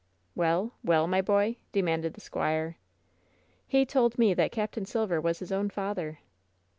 "Well, well, my boy?' demanded the squire. "He told me that Capt Silver was his own father!"